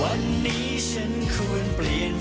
วันนี้ฉันควรเปลี่ยนเพราะอะไร